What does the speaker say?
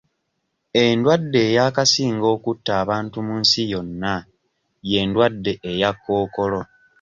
Endwadde eyakasinga okutta abantu mu nsi yonna y'endwadde eya Kkookolo.